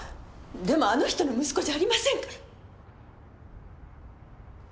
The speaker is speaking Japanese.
でもあの人の息子じゃありませんから！